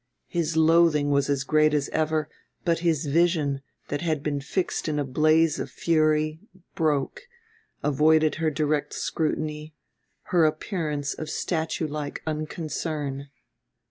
His loathing was as great as ever; but his vision, that had been fixed in a blaze of fury, broke, avoided her direct scrutiny, her appearance of statue like unconcern.